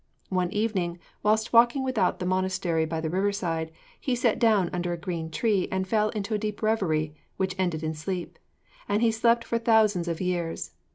One evening, whilst walking without the monastery by the riverside, he sat down under a green tree and fell into a deep reverie, which ended in sleep; and he slept for thousands of years.